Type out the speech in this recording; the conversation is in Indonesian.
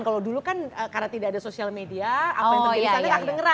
kalau dulu kan karena tidak ada sosial media apa yang terdiri di sana kedengeran